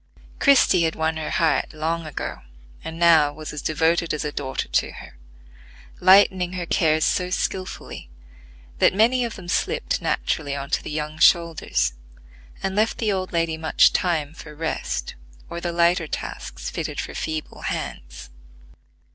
Christie had won her heart long ago, and now was as devoted as a daughter to her; lightening her cares so skilfully that many of them slipped naturally on to the young shoulders, and left the old lady much time for rest, or the lighter tasks fitted for feeble hands.